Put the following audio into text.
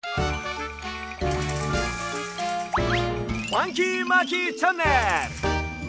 「ファンキーマーキーチャンネルみせて！